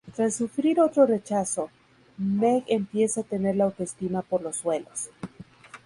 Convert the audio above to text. Tras sufrir otro rechazo, Meg empieza a tener la autoestima por los suelos.